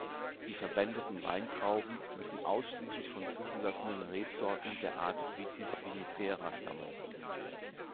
Die verwendeten Weintrauben müssen ausschließlich von zugelassenen Rebsorten der Art Vitis vinifera stammen.